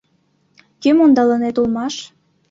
Кӧм ондалынет улмаш?..